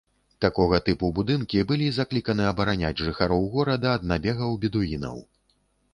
Такога тыпу будынкі былі закліканы абараняць жыхароў горада ад набегаў бедуінаў.